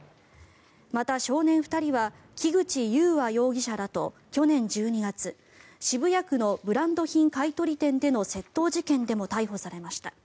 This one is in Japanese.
また、少年２人は木口悠和容疑者らと去年１２月、渋谷区のブランド品買い取り店での窃盗事件でも逮捕されました。